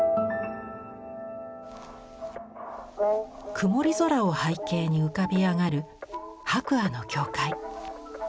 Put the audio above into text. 曇り空を背景に浮かび上がる白亜の教会。